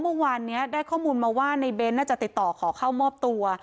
เมื่อวานนี้ได้ข้อมูลมาว่าในเบ้นน่าจะติดต่อขอเข้ามอบตัว